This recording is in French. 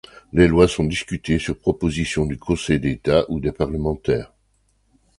Les lois sont discutées sur proposition du Conseil d’État ou des parlementaires.